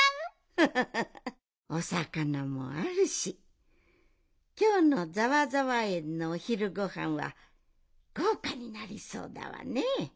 フフフフおさかなもあるしきょうのざわざわえんのおひるごはんはごうかになりそうだわね。